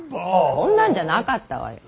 そんなんじゃなかったわよ。